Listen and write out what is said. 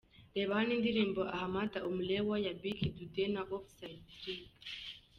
Reba hano indirimbo "Ahmada umelewa" ya ’Bi Kidude’ na ’Offside Trick’ :.